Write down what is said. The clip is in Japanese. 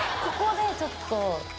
ここでちょっと。